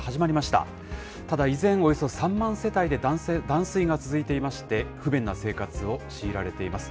ただ依然、およそ３万世帯で断水が続いていまして、不便な生活を強いられています。